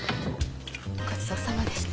ごちそうさまでした。